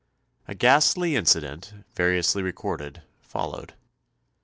A ghastly incident, variously recorded, followed.